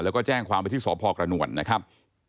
แล้วก็แจ้งความไปที่สพกระนวลนะครับ